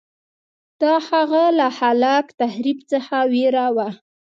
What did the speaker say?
دا هغه له خلاق تخریب څخه وېره وه